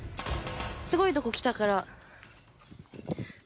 すごいとこ来たから。